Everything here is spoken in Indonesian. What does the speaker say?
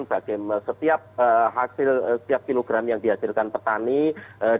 bagaimana setiap hasil setiap kilogram yang dihasilkan petani diberikan itu